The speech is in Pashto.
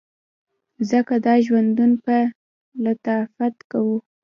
ځکه دا ژوندون په لطافت کوم